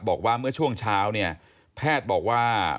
บอกว่าเมื่อช่วงเช้าพแทบอกว่า